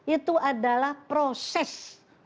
itu adalah proses